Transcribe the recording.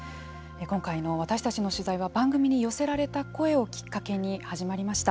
今回の私たちの取材は番組に寄せられた声をきっかけに始まりました。